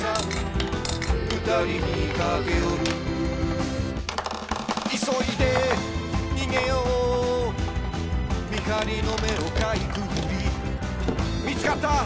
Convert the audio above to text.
「ふたりにかけよる」「急いで逃げよう」「見張りの目をかいくぐり」「見つかった！